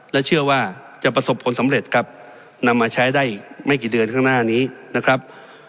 และเชื่อว่าจะประสบผลสำเร็จครับนำมาใช้ได้อีกไม่กี่เดือนข้างหน้านี้นะครับ